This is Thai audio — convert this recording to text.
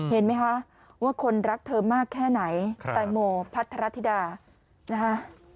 เห็นไหมคะว่าคนรักเธอมากแค่ไหนแตงโมพัทรธิดานะฮะ